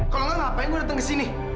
kalau gak ngapain gue datang kesini